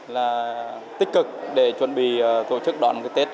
là tích cực để chuẩn bị tổ chức đón một cái tết